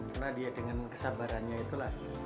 karena dia dengan kesabarannya itulah